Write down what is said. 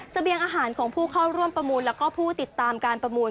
เสบียงอาหารของผู้เข้าร่วมประมูลแล้วก็ผู้ติดตามการประมูล